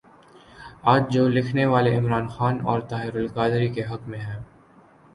آج جو لکھنے والے عمران خان اور طاہرالقادری کے حق میں ہیں۔